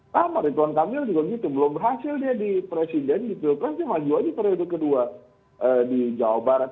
sama ridwan kamil juga gitu belum berhasil dia di presiden di pilpres dia maju aja periode kedua di jawa barat